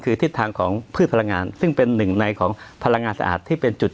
คือทิศทางของพืชพลังงานซึ่งเป็นหนึ่งในของพลังงานสะอาดที่เป็นจุด